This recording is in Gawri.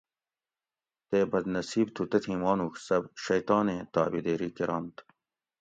تے بد نصیب تھو تتھیں مانوڄ سہ شیطانیں طابعدیری کرنت